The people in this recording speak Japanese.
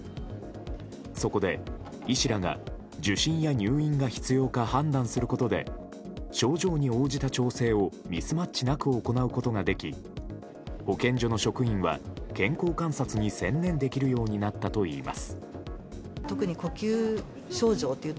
そこで、医師らが受診や入院が必要か判断することで症状に応じた調整をミスマッチなく行うことができ保健所の職員は健康観察に専念できるようになったといいます。